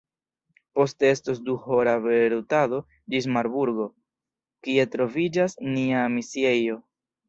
Poste estos duhora veturado ĝis Marburgo, kie troviĝas nia misiejo.